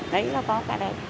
đấy nó có cả đây